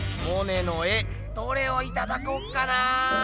モネの絵どれをいただこうかな？